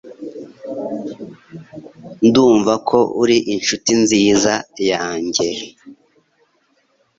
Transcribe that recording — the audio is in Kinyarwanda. Ndumva ko uri inshuti nziza ya njye